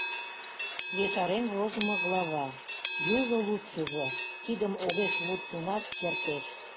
Ешарен возымо глава, южо лудшыжо тидым огеш луд гынат, кертеш